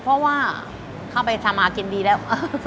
เพราะว่าเข้าไปทำหากินดีแล้ว